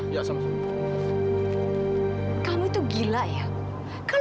iya tante dewi juga jaga kamu